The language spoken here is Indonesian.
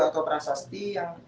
atau prasasti yang